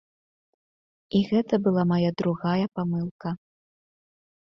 І гэта была мая другая памылка.